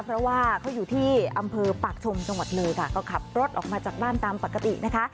เพราะว่าเขาอยู่ที่อำเภอปากชมจังหวัดเลยค่ะก็ขับรถออกมาจากบ้านตามปกตินะคะ